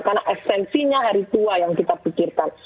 karena esensinya hari tua yang kita pikirkan